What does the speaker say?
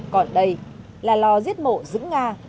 còn đây là lò giết mộ dưới nga